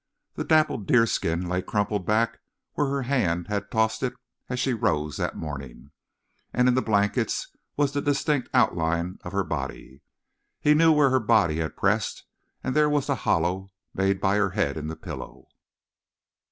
The dappled deerskin lay crumpled back where her hand had tossed it as she rose that morning, and in the blankets was the distinct outline of her body. He knew where her body had pressed, and there was the hollow made by her head in the pillow.